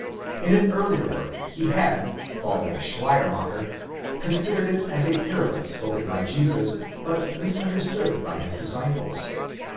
In an earlier work he had, following Schleiermacher, considered it as a parable spoken by Jesus. but misunderstood by his disciples.